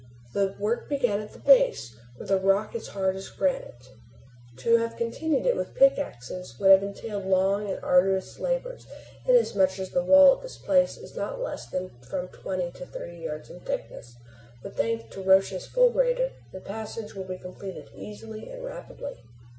The work began at the base, where the rock is as hard as granite. To have continued it with pickaxes would have entailed long and arduous labor, inasmuch as the wall at this place is not less than from twenty to thirty yards in thickness, but thanks to Roch's fulgurator the passage will be completed easily and rapidly.